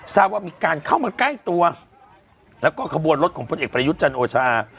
ทราบว่ามีการเข้ามาใกล้ตัวแล้วก็ขบวนรถของพลเอกประยุทธ์จันทร์โอชา